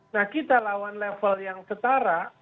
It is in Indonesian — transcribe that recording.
nah kita lawan level yang setara